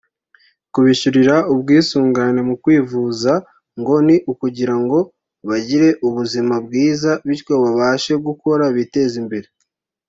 Kubishyurira ubwisungane mu kwivuza ngo ni ukugira ngo bagire ubuzima bwiza bityo babashe gukora biteze imbere